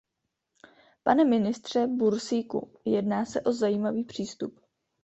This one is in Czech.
Pane ministře Bursíku, jedná se o zajímavý přístup.